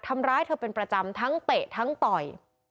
ทำร้ายเธอเป็นประจำทั้งเตะทั้งต่อย